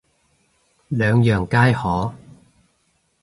兩樣皆可